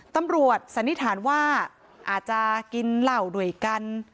สันนิษฐานว่าอาจจะกินเหล้าด้วยกัน